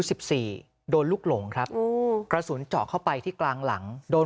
สิบสี่โดนลูกหลงครับโอ้กระสุนเจาะเข้าไปที่กลางหลังโดน